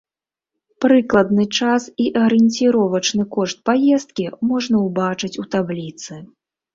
Прыкладны час і арыенціровачны кошт паездкі можна ўбачыць у табліцы.